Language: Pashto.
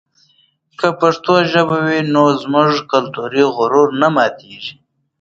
که پښتو ژبه وي نو زموږ کلتوري غرور نه ماتېږي.